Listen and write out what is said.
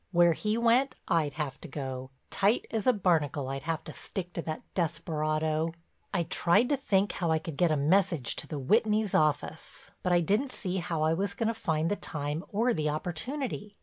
Where he went I'd have to go, tight as a barnacle I'd have to stick to that desperado. I tried to think how I could get a message to the Whitneys' office, but I didn't see how I was going to find the time or the opportunity.